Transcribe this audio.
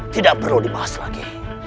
tidak perlu dibahas lagi